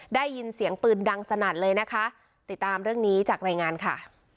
ได้ยินเสียงปืนดังสนั่นเลยนะคะติดตามเรื่องนี้จากรายงานค่ะ